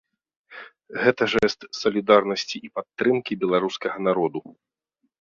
Гэта жэст салідарнасці і падтрымкі беларускага народу.